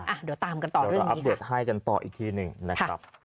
อ่ะเดี๋ยวตามกันต่อเรื่องนี้ค่ะนะครับ